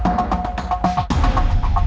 menurut anda ini berlebihan